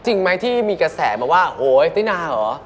จริงไหมที่มีกระแสมาว่าโหยตินาเหรอ